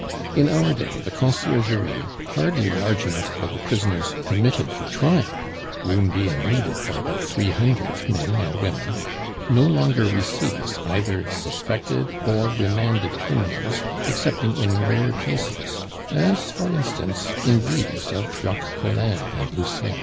In our day the Conciergerie, hardly large enough for the prisoners committed for trial room being needed for about three hundred, men and women no longer receives either suspected or remanded criminals excepting in rare cases, as, for instance, in these of Jacques Collin and Lucien.